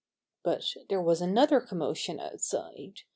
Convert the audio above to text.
But there was another commotion outside.